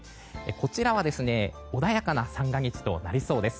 こちらは穏やかな三が日となりそうです。